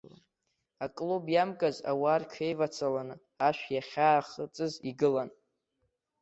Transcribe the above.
Аклуб иамкыз ауаа рҽеивацаланы ашә иахьаахыҵыз игылан.